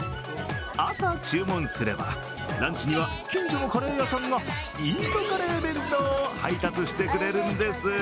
朝注文すれば、ランチには近所のカレー屋さんがインドカレー弁当を配達してくれるんです。